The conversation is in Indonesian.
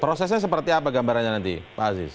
prosesnya seperti apa gambarannya nanti pak aziz